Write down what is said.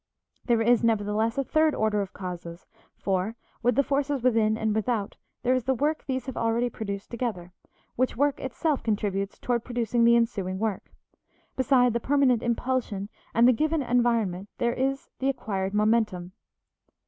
There is, nevertheless, a third order of causes, for, with the forces within and without, there is the work these have already produced together, which work itself contributes toward producing the ensuing work; beside the permanent impulsion and the given environment there is the acquired momentum.